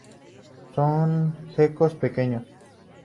Son gecos pequeños.